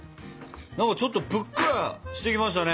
何かちょっとぷっくらしてきましたね。